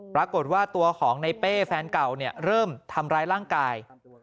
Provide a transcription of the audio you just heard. ปรากฏว่าตัวของในเป้แฟนเก่าเริ่มทำร้ายร่างกาย